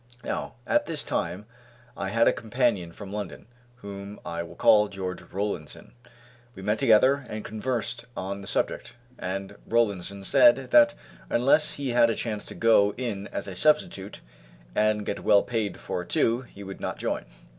Now, at this time I had a companion from London, whom I will call George Rollinson. We met together and conversed on the subject, and Rollinson said that unless he had a chance to go in as a substitute, and get well paid for it too, he would not join.